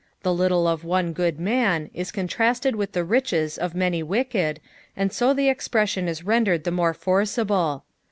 The little of one good man is contrasted with the riches of many wicked, and so the eipreBsioo is rendered the more forcible.